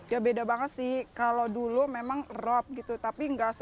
ya beda banget sih kalau dulu memang rob gitu tapi nggak suka